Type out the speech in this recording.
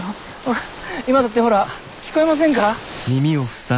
ほら今だってほら聞こえませんか？